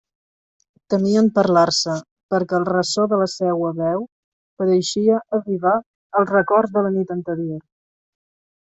Temien parlar-se, perquè el ressò de la seua veu pareixia avivar els records de la nit anterior.